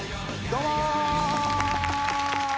どうも！